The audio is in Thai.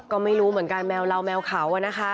ก็ไม่รู้เหมือนกันแมวเราแมวเขา